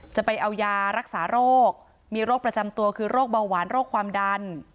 จะเอายารักษาโรคมีโรคประจำตัวคือโรคเบาหวานโรคความดัน